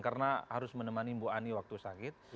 karena harus menemani ibu ani waktu sakit